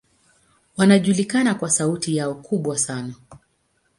Wanajulikana kwa sauti yao kubwa sana.